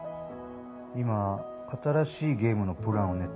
今新しいゲームのプランを練ってる。